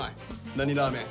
何ラーメン？